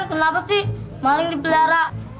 kenapa sih maling dibelara